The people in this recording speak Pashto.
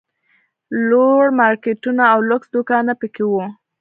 لوړ مارکېټونه او لوکس دوکانونه پکښې وو.